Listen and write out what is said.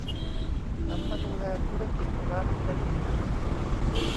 หันมาดูแลธุรกิจร้านเพชร